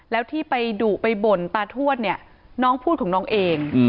แล้วที่ไปดุไปบ่นตาทวดเนี่ยน้องพูดของน้องเอง